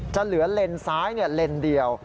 จะเหลือเลนซ้ายเลนเดียว